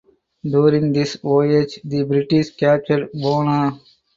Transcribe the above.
During this voyage the British captured "Bona".